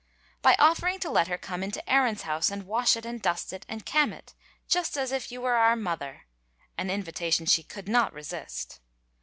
By offering to let her come into Aaron's house and wash it and dust it and ca'm it, "just as if you were our mother," an invitation she could not resist.